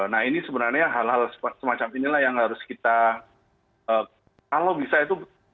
nah ini sebenarnya hal hal semacam inilah yang harus kita kalau bisa itu